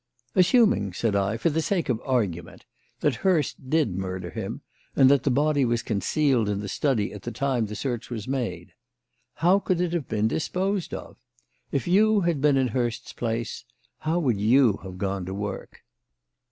"Assuming," said I, "for the sake of argument, that Hurst did murder him and that the body was concealed in the study at the time the search was made. How could it have been disposed of? If you had been in Hurst's place, how would you have gone to work?"